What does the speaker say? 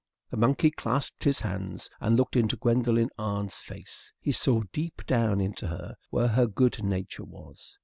The monkey clasped his hands and looked into Gwendolen's aunt's face. He saw deep down into her, where her good nature was.